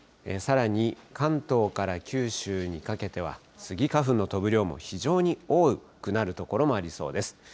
さらに関東から九州にかけては、スギ花粉の飛ぶ量も非常に多くなる所もありそうです。